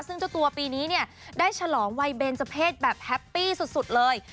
ซึ่งเจ้าตัวปีนี้เนี่ยได้ฉลองวัยเบนเจอร์เพศแบบแฮปปี้สุดเลย